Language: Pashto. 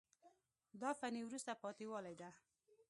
دا فني وروسته پاتې والی ده.